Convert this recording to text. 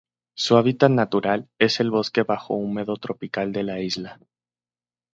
Su hábitat natural es el bosque bajo húmedo tropical de la isla.